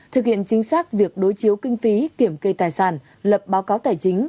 thực hiện chính xác việc đối chiếu kinh phí kiểm kê tài sản lập báo cáo tài chính